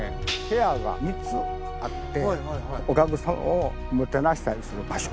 部屋が３つあってお客さまをもてなしたりする場所。